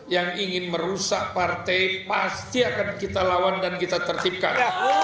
yang ingin merusak partai pasti akan kita lawan dan kita tertipkan